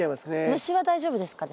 虫は大丈夫ですかね？